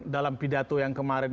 dalam pidato yang kemarin